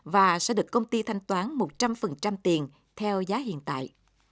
và sẽ được công ty thanh toán một trăm linh tiền theo giá hiện tại